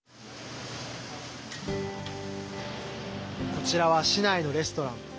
こちらは市内のレストラン。